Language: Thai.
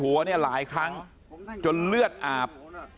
หัวเนี่ยหลายครั้งจนเลือดอาบ